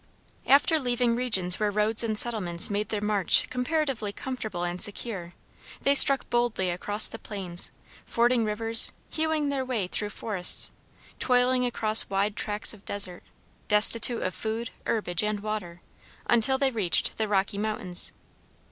After leaving the regions where roads and settlements made their march comparatively comfortable and secure, they struck boldly across the plains, fording rivers, hewing their way through forests, toiling across wide tracks of desert, destitute of food, herbage, and water, until they reached the Rocky Mountains.